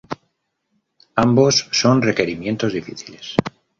Ambos son requerimientos difíciles.